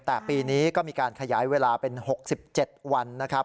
แต่ปีนี้ก็มีการขยายเวลาเป็น๖๗วันนะครับ